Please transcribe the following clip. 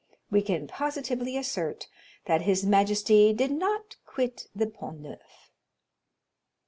We can positively assert that his majesty did not quit the Pont Neuf.